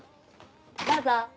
どうぞ。